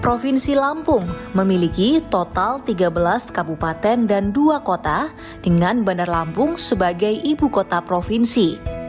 provinsi lampung memiliki total tiga belas kabupaten dan dua kota dengan bandar lampung sebagai ibu kota provinsi